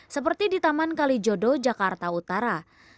seperti di taman kalijodo jakarta utara